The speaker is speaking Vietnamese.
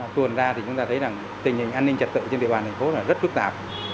thuần ra thì chúng ta thấy tình hình an ninh trật tự trên địa bàn thành phố rất phức tạp